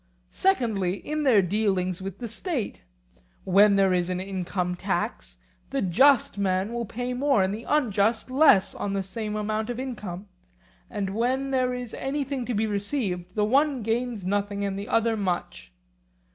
Secondly, in their dealings with the State: when there is an income tax, the just man will pay more and the unjust less on the same amount of income; and when there is anything to be received the one gains nothing and the other much.